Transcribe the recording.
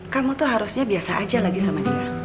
kamu tuh harusnya biasa aja lagi sama dia